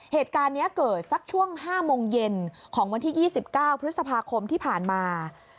เหตุการณ์นี้เกิดสักช่วง๕โมงเย็นของวันที่๒๙พฤษภาคมที่ผ่านมา